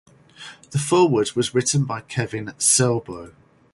The foreword was written by Kevin Sorbo.